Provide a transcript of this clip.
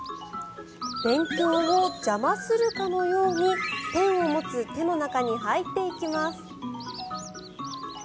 勉強を邪魔するかのようにペンを持つ手の中に入っていきます。